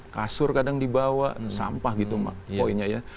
kasur kadang dibawa sampah gitu poinnya ya